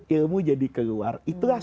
ilmu jadi keluar